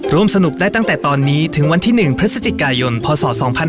ร่วมสนุกได้ตั้งแต่ตอนนี้ถึงวันที่๑พฤศจิกายนพศ๒๕๕๙